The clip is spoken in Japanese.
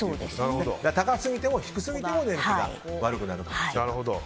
高すぎても低すぎても燃費が悪くなると。